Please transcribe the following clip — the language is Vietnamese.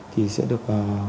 thì sẽ được